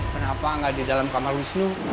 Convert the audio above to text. kenapa nggak di dalam kamar wisnu